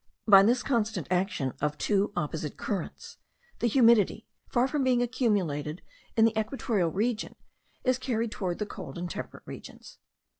By this constant action of two opposite currents, the humidity, far from being accumulated in the equatorial region, is carried towards the cold and temperate regions.